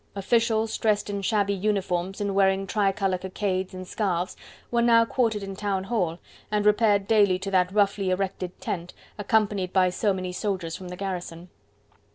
Officials, dressed in shabby uniforms and wearing tricolour cockades and scarves, were now quartered in the Town Hall, and repaired daily to that roughly erected tent, accompanied by so many soldiers from the garrison.